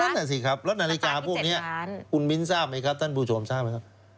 นั่นแหละสิครับแล้วนาฬิกาพวกนี้คุณมิ้นทราบไหมครับท่านผู้ชมทราบไหมครับ